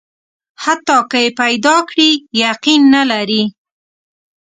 حتی که یې پیدا کړي، یقین نه لري.